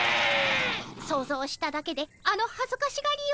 想像しただけであのはずかしがりよう。